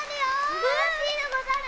・すばらしいでござる！